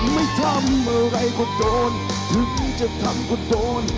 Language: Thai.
ไม่ทำอะไรก็โดนถึงจะทำก็โดน